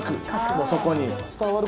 もうそこに。